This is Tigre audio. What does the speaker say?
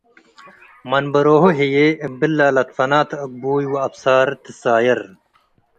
መንበሮሁ ህዬ እብለ ለትፈናተ አግቡይ ወአብሳር ትሳይር ።